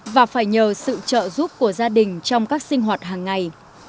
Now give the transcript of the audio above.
và phải nhờ sự trợ giúp của gia đình trong các sinh hoạt hàng ngày